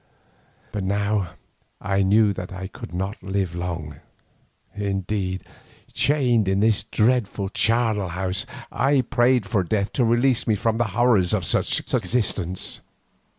But now I knew that I could not live long, indeed chained in this dreadful charnel house I prayed for death to release me from the horrors of such existence.